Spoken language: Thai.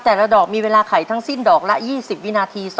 แต่ละดอกมีเวลาไขทั้งสิ้นดอกละ๒๐วินาที